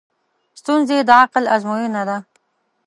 ستونزې د عقل ازموینه ده.